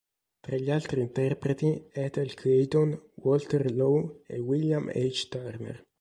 Tra gli altri interpreti, Ethel Clayton, Walter Law e William H. Turner.